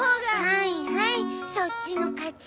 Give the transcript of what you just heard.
はいはいそっちの勝ち。